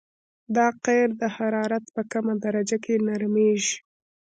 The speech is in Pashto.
دا قیر د حرارت په کمه درجه کې نرمیږي